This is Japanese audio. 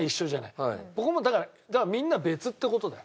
ここもだからみんな別って事だよ。